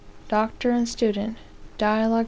Doctor and Student, Dialog.